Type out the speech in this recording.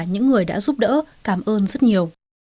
những người đã giúp đỡ cảm ơn rất nhiều